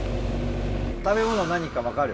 食べ物何か分かる？